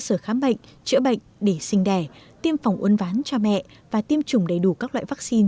sở khám bệnh chữa bệnh để sinh đẻ tiêm phòng uốn ván cho mẹ và tiêm chủng đầy đủ các loại vắc xin